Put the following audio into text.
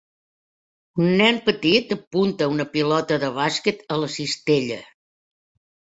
Un nen petit apunta una pilota de bàsquet a la cistella.